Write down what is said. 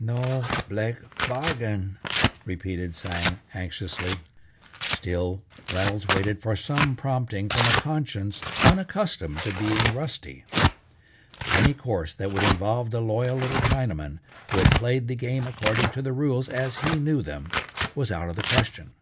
"No blake bargain!" repeated Tsang anxiously. Still Reynolds waited for some prompting from a conscience unaccustomed to being rusty. Any course that would involve the loyal little Chinaman, who had played the game according to the rules as he knew them, was out of the question.